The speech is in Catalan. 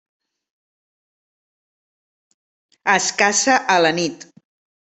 Es caça a la nit.